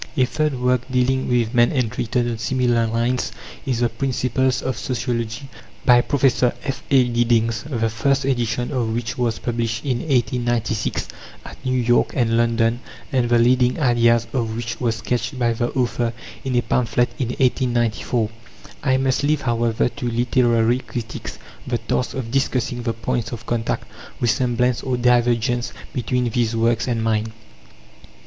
A third work dealing with man and written on similar lines is The Principles of Sociology, by Prof. F.A. Giddings, the first edition of which was published in 1896 at New York and London, and the leading ideas of which were sketched by the author in a pamphlet in 1894. I must leave, however, to literary critics the task of discussing the points of contact, resemblance, or divergence between these works and mine.